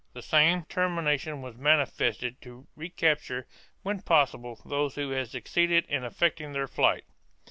1 The same determination was manifested to recapture when possible those who had suc ceeded in effecting their flight.